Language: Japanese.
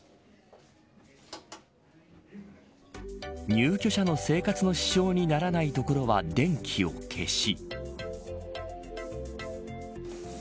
入居者の生活の支障にならないところは電気を消し。